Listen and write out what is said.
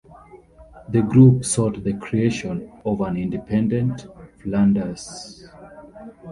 The group sought the creation of an independent Flanders.